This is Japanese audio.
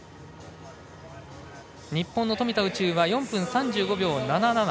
日本の富田宇宙は４分３５秒７７。